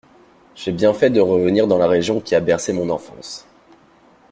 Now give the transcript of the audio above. J’ai bien fait de revenir dans la région qui a bercé mon enfance.